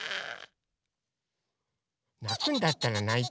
なくんだったらないて。